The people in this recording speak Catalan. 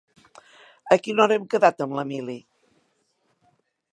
A quina hora hem quedat amb l'Emili?